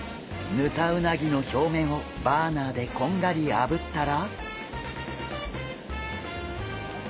ヌタウナギのひょうめんをバーナーでこんがりあぶったら。